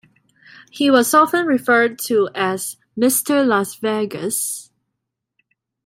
He was often referred to as "Mr. Las Vegas".